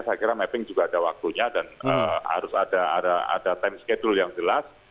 saya kira mapping juga ada waktunya dan harus ada time schedule yang jelas